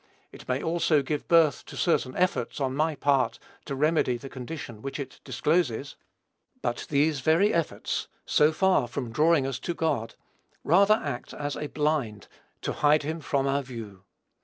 It may, also, give birth to certain efforts, on my part, to remedy the condition which it discloses; but these very efforts, so far from drawing us to God, rather act as a blind to hide him from our view.